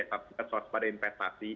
kesehatan pada investasi